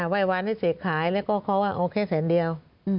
ไหว้วานให้เสกขายแล้วก็เขาว่าเอาแค่แสนเดียว